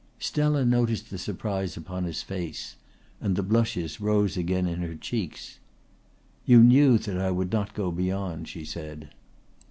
Stella noticed the surprise upon his face; and the blushes rose again in her cheeks. "You knew that I would not go beyond," she said.